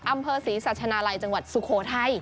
อำเภอศรีสัชนาลัยจังหวัดสุโขทัย